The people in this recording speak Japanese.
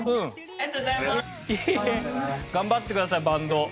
頑張ってくださいバンド。